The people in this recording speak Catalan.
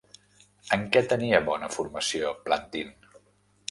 En què tenia bona formació Plantin?